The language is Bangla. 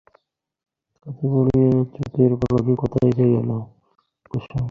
কথা বলিয়া চোখের পলকে কোথায় যে গেল কুসুম!